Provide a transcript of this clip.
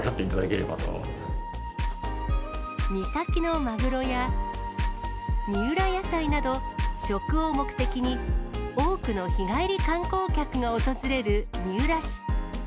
三崎のまぐろや、三浦野菜など、食を目的に、多くの日帰り観光客が訪れる三浦市。